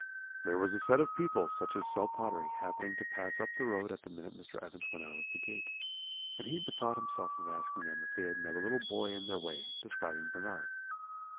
"There was a set of people, such as sell pottery, happening to pass up the road at the minute Mr. Evans went out of the gate; and he bethought himself of asking them if they had met a little boy in their way, describing Bernard.